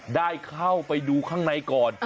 ได้เข้าไปดูข้างในก่อน